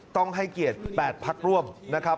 ต้องให้เกียรติ๘พักร่วมนะครับ